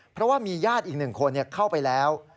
เพราะว่ามีญาติอีก๑คนเข้าไปแล้ว